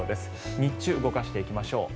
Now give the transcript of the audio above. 日中、動かしていきましょう。